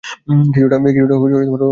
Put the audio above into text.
কিছুটা রহস্য রেখেছে এখানে।